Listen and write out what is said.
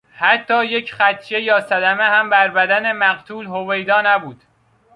حتی یک خدشه یا صدمه هم بر بدن مقتول هویدا نبود.